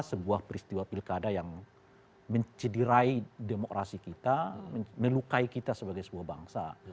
sebuah peristiwa pilkada yang mencederai demokrasi kita melukai kita sebagai sebuah bangsa